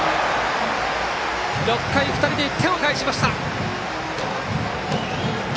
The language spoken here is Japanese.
６回２人で１点を返しました！